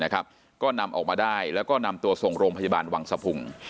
ก็นำออกมาได้แล้วก็นำตัวส่งโรงพยาบาลวังสะพุง